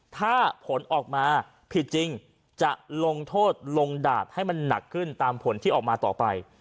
ถ้าผลออกมาผิดจริงจะลงโทษลงดาบให้มันหนักขึ้นตามผลที่ออกมาต่อไป